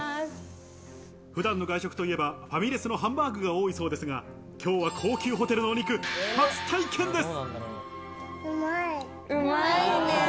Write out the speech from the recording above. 普段の外食といえばファミレスのハンバーグが多いそうですが、今日は高級ホテルのお肉、初体験です。